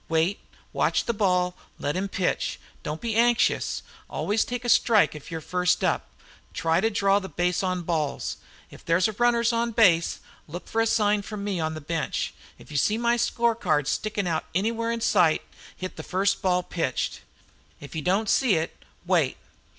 Wait, watch the ball. Let him pitch. Don't be anxious. Always take a strike if you're first up. Try to draw a base on balls. If there's runners on the bases look for a sign from me on the bench. If you see my score card stickin' anywhere in sight, hit the first ball pitched. If you don't see it wait.